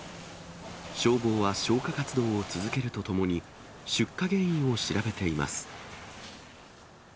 消防は消火活動を続けるとともに、出火原因を調べています。